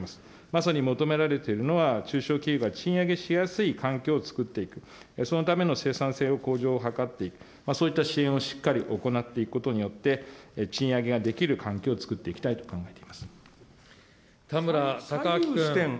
まさに求められているのは、中小企業が賃上げしやすい環境を作っていく、そのための生産性の向上を図っていく、そういった支援をしっかり行っていくことによって、賃上げができる環境をつくっていきたい田村貴昭君。